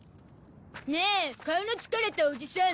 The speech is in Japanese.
ねえ顔の疲れたおじさん